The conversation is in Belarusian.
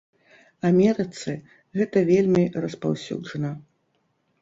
Амерыцы гэта вельмі распаўсюджана.